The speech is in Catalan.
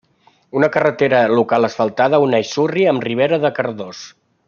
Una carretera local asfaltada uneix Surri amb Ribera de Cardós.